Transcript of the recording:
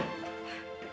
kami harus minta dana itu